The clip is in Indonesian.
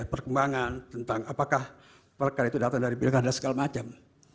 perkembangan tentang apakah perkara itu datang dari pilkada segala macam